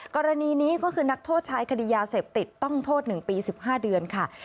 กรณีนี้ก็คือนักโทษชายคดียาเสพติดต้องโทษ๑ปี๑๕เดือนค่ะ